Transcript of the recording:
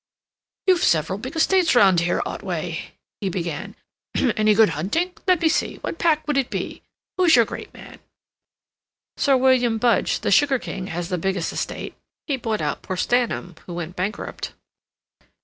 "You've several big estates round here, Otway," he began. "Any good hunting? Let me see, what pack would it be? Who's your great man?" "Sir William Budge, the sugar king, has the biggest estate. He bought out poor Stanham, who went bankrupt."